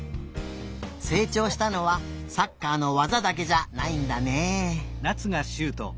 せいちょうしたのはサッカーのわざだけじゃないんだね。